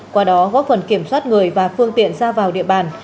qua đó góp phần kiểm soát người và phương tiện ra vào địa bàn